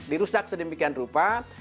dirusak sedemikian rupa